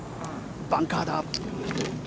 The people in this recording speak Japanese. バンカーだ。